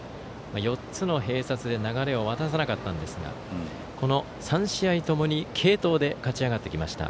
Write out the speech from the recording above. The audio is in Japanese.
４つの併殺で流れを渡さなかったんですがこの３試合ともに継投で勝ち上がってきました。